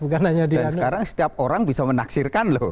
dan sekarang setiap orang bisa menaksirkan loh